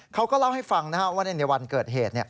เขาก็เล่าให้ฟังว่าในวันเกิดเหตุ